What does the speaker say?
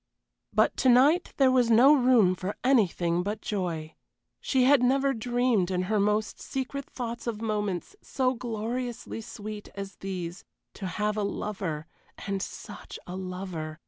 But to night there was no room for anything but joy. She had never dreamed in her most secret thoughts of moments so gloriously sweet as these to have a lover and such a lover!